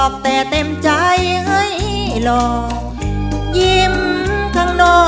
ป้าน้อยร้อง